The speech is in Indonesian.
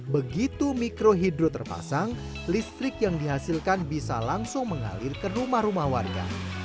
begitu mikrohidro terpasang listrik yang dihasilkan bisa langsung mengalir ke rumah rumah warga